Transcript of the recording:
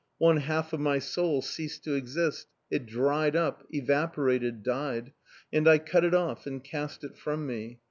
One half of my soul ceased to exist; it dried up, evaporated, died, and I cut it off and cast it from me.